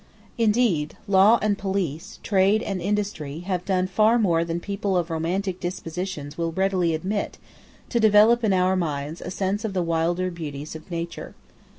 Indeed, law and police, trade and industry, have done far more than people of romantic dispositions will readily admit, to develope in our minds a sense of the wilder beauties of nature.